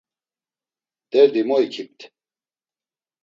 Derdi mo ikipt.